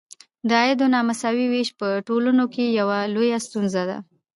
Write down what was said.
د عاید نامساوي ویش په ټولنو کې یوه لویه ستونزه ده.